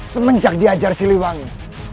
semenjak diajar siliwangi